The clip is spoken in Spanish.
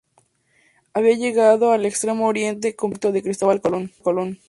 Habían llegado al Extremo Oriente, cumpliendo el proyecto de Cristóbal Colón.